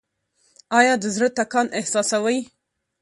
ایا د زړه ټکان احساسوئ؟